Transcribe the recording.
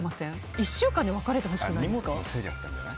１週間で別れてほしくないですか。